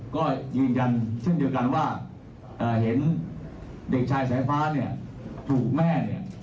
ก็ยืนยันเช่นเดียวกันว่าเห็นเด็กชายสายฟ้าเนี่ยถูกแม่เนี่ย